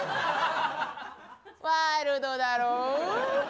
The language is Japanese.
ワイルドだろぉ。